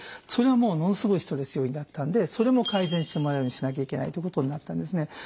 それはもうものすごいストレス要因だったんでそれも改善してもらうようにしなきゃいけないってことになったんですね。